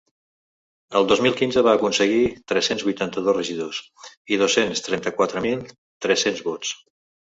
El dos mil quinze va aconseguir tres-cents vuitanta-dos regidors i dos-cents trenta-quatre mil tres-cents vots.